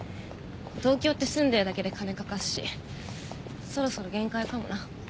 東京って住んでるだけで金かかっしそろそろ限界かもな